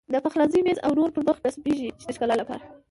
د پخلنځي میز او نورو پر مخ نصبېږي د ښکلا لپاره.